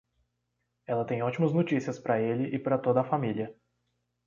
Ela tem ótimas notícias para ele e para toda a família.